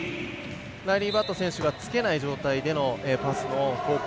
ライリー・バット選手がつけない状態でのパスの交換。